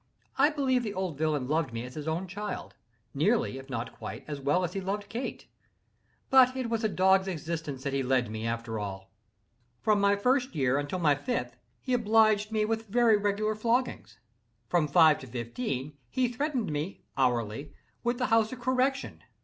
I believe the old villain loved me as his own child—nearly if not quite as well as he loved Kate—but it was a dog's existence that he led me, after all. From my first year until my fifth, he obliged me with very regular floggings. From five to fifteen, he threatened me, hourly, with the House of Correction.